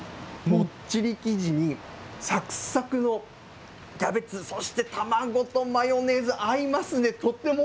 もっちり生地にさくさくのキャベツ、そして卵とマヨネーズ、合いますね。